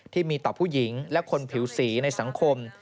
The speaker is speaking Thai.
ที่มีต่อผู้หญิงและคนผิวสีในสังคม